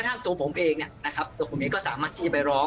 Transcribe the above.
ไม่ต้องพูดผมเองนะครับตรงผมเองก็สามารถที่จะไปร้อง